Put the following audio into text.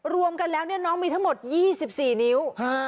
รวมกันแล้วน้องมีทั้งหมด๒๔นิ้ว